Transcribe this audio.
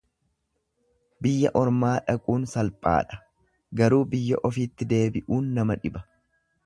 Biyya ormaa dhaquun salphaadha, garuu biyya ofiitti deebi'uun nama dhiba.